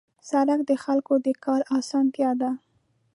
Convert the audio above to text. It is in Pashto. سړک د خلکو د کار اسانتیا ده.